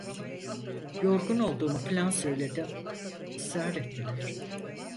Yorgun olduğumu filan söyledim, ısrar ettiler.